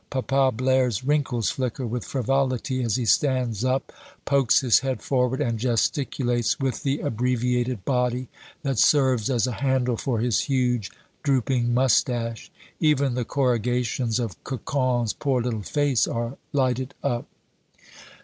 Papa Blaire's wrinkles flicker with frivolity as he stands up, pokes his head forward, and gesticulates with the abbreviated body that serves as a handle for his huge drooping mustache. Even the corrugations of Cocon's poor little face are lighted up.